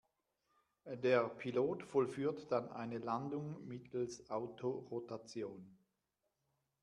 Der Pilot vollführt dann eine Landung mittels Autorotation.